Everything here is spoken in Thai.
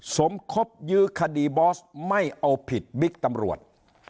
สมคบยื้อคดีบอสไม่เอาผิดบิ๊กตำรวจ